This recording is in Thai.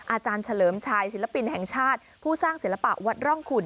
อาจารย์เฉลิมชัยศิลปินแห่งชาติผู้สร้างศิลปะวัดร่องขุน